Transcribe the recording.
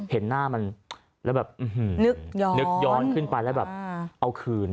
เห็นหน้ามันแล้วแบบนึกย้อนขึ้นไปแล้วแบบเอาคืน